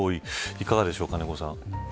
いかがでしょう、金子さん。